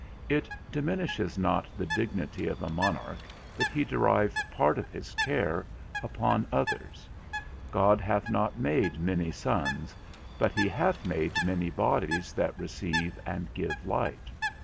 It diminishes not the dignity of a monarch that he derive part of his care upon others; God hath not made many suns, but he hath made many bodies that receive and give light.